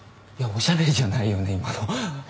おしゃべりじゃないよね今の。